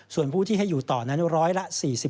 ส่วนผู้ที่ให้อยู่ต่อนั้นร้อยละ๔๕